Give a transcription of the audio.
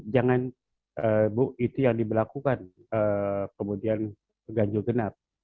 jangan bu itu yang diberlakukan kemudian ganjil genap